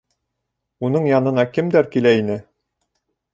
Уның янына кемдәр килә ине?